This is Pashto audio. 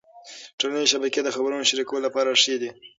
ټولنيزې شبکې د خبرونو شریکولو لپاره ښې دي.